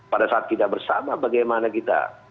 pada saat kita bersama bagaimana kita